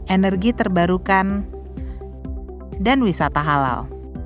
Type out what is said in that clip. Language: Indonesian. energi terbarukan dan wisata halal